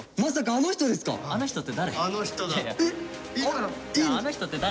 「あの人」って誰？